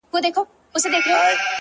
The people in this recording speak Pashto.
• ښكلي چي گوري ـ دا بيا خوره سي ـ